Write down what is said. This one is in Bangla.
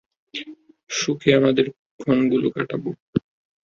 সুখে আমাদের ক্ষণগুলো কাটাব!